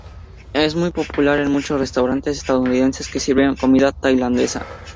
Es muy popular en muchos restaurantes estadounidenses que sirven comida tailandesa.